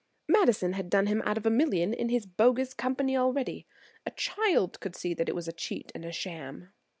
"Madison had done him out of a million in his bogus company already. A child could see that it was a cheat and a sham."